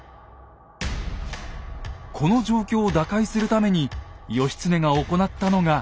この状況を打開するために義経が行ったのが